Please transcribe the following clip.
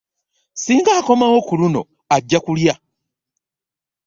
Ssinga akomawo ku luno ajja kulya.